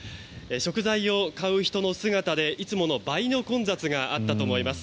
食材を買う人の姿でいつもの倍の混雑があったと思います。